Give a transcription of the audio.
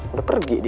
udah pergi dia